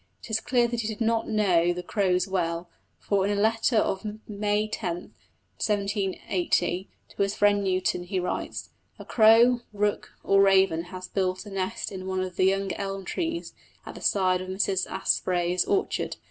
It is clear that he did not know the crows well, for in a letter of May 10, 1780, to his friend Newton, he writes: "A crow, rook, or raven, has built a nest in one of the young elm trees, at the side of Mrs Aspray's orchard."